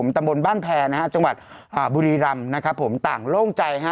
ตำบลบ้านแพรนะฮะจังหวัดบุรีรำนะครับผมต่างโล่งใจฮะ